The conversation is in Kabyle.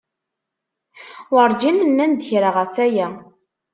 Werǧin nnan-d kra ɣef aya.